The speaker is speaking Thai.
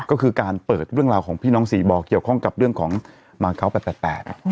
ก็คือการเปิดเรื่องราวของพี่น้องสี่บ่อเกี่ยวข้องกับเรื่องของมาเก้าแปดแปดแปด